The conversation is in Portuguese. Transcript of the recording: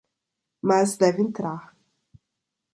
Mas deve entrar.